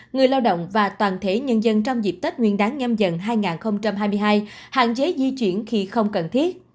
người lao động và toàn thể nhân dân trong dịp tết nguyên đáng nhâm dần hai nghìn hai mươi hai hạn chế di chuyển khi không cần thiết